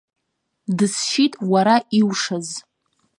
Дысшьит уара иушаз.